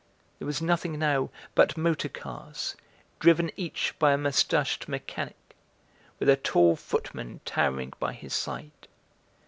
there was nothing now but motor cars driven each by a moustached mechanic, with a tall footman towering by his side.